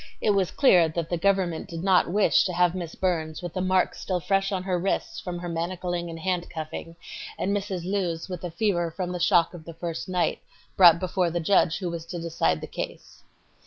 It was clear that the government did not her wish to have Miss Burns with the marks still fresh on wrists from her manacling and handcuffing, and Mrs. Lewes with a fever from the shock of the first night, brought before the judge who was to decide the case.